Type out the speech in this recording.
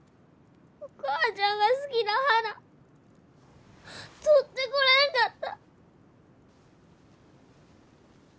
お母ちゃんが好きな花採ってこれんかった！